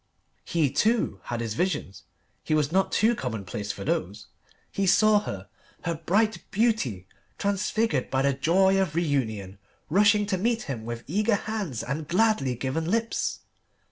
He, too, had his visions: he was not too commonplace for those. He saw her, her bright beauty transfigured by the joy of reunion, rushing to meet him with eager hands and gladly given lips.